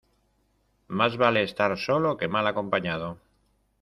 Más vale estar solo que mal acompañado.